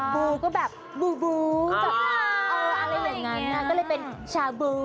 บูก็แบบบูจ๊ะเอออะไรเหมือนงั้นนะก็เลยเป็นชาบู